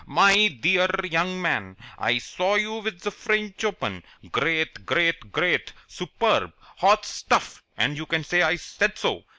"My dear young man, I saw you win ze French Open. Great! Great! Grand! Superb! Hot stuff, and you can say I said so!